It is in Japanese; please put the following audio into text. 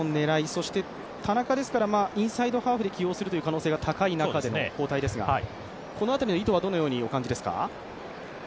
そして、田中ですからインサイドハーフで起用する可能性が高い中での交代ですがこの辺りの意図は、どのようにお感じですか？